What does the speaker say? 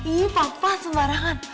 iya papa sembarangan